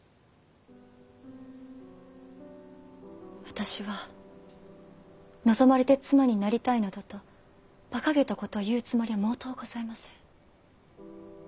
私は望まれて妻になりたいなどとバカげたことを言うつもりは毛頭ございません。